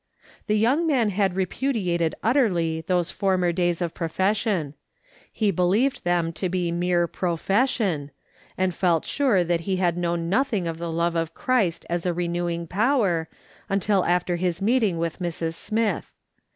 The young man had repudiated utterly u2 292 M/?S. SOLOMON SMITH LOOKING ON. those former days of profession ; he believed them to be mere profession, and felt sure that he had known nothing of the love of Christ as a renewing power, until after his meeting with Mrs. Smith.